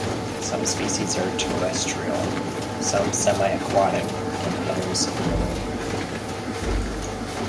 Some species are terrestrial, some semi-aquatic, and others marine.